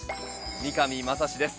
三上真史です。